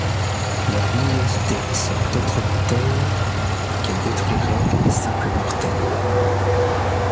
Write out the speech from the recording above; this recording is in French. Leur luminosité serait autrement telle qu'elle détruirait les simples mortels.